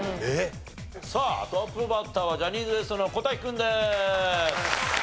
さあトップバッターはジャニーズＷＥＳＴの小瀧君です。